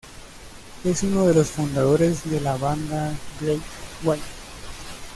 Es uno de los fundadores de la banda Great White.